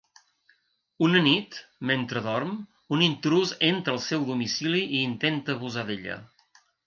Una nit, mentre dorm, un intrús entra al seu domicili i intenta abusar d'ella.